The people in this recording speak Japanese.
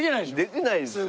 できないですよ。